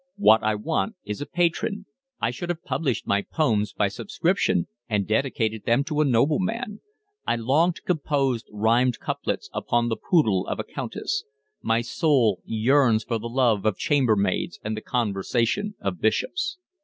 "What I want is a patron. I should have published my poems by subscription and dedicated them to a nobleman. I long to compose rhymed couplets upon the poodle of a countess. My soul yearns for the love of chamber maids and the conversation of bishops."